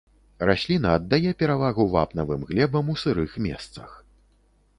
Расліна аддае перавагу вапнавым глебам у сырых месцах.